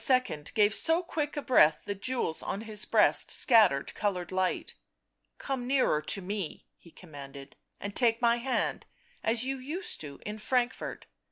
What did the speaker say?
gave so quick a breath the jewels on his breast scattered coloured light. " Come nearer to me," he commanded, " and take my hand — as you used to, in Frankfort